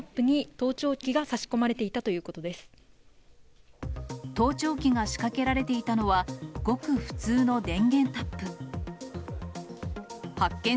盗聴器が仕掛けられていたのは、ごく普通の電源タップ。